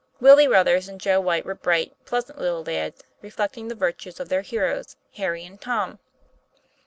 Willie Ruthers and Joe Whyte were bright, pleas ant little lads, reflecting the virtues of their heroes, Harry and Tom.